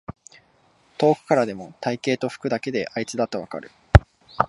遠くからでも体型と服だけであいつだとわかる